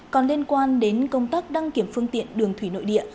còn liên quan đến công tác đăng kiểm phương tiện đường thủy nội địa